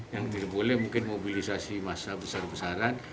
yang tidak boleh mungkin mobilisasi massa besar besaran